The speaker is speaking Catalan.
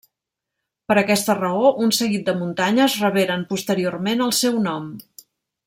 Per aquesta raó, un seguit de muntanyes reberen posteriorment el seu nom.